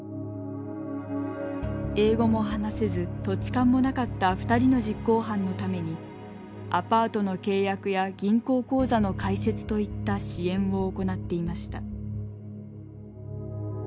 英語も話せず土地勘もなかった２人の実行犯のためにアパートの契約や銀行口座の開設といった支援を行っていました。